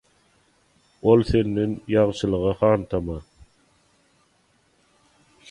Ol senden ýagşylyga hantama.